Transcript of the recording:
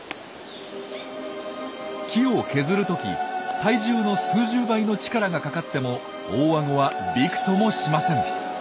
木を削る時体重の数十倍の力がかかっても大あごはびくともしません。